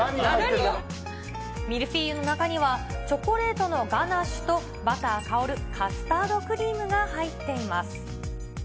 ミルフィーユの中には、チョコレートのガナッシュと、バター香るカスタードクリームが入っています。